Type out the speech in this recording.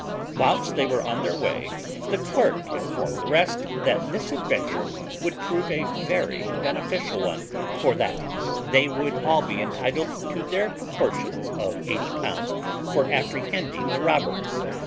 Whilst they were on their way the clerk informed the rest that this adventure would prove a very beneficial one; for that they would all be entitled to their proportions of £80 for apprehending the robbers.